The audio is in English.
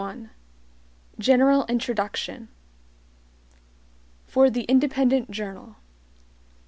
1 General Introduction For the Independent Journal.